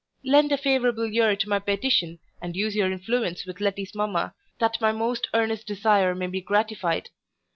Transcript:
lend a favourable ear to my petition, and use your influence with Letty's mamma, that my most earnest desire may be gratified.